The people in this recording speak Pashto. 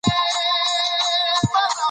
د افغانستان جغرافیه کې تودوخه ستر اهمیت لري.